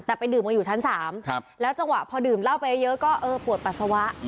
แต่ไปดื่มกันอยู่ชั้น๓แล้วจังหวะพอดื่มเหล้าไปเยอะก็เออปวดปัสสาวะ